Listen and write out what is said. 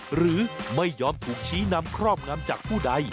หรือไม่ยอมถูกชี้นำครอบงำจากผู้ใด